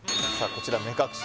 こちら目隠し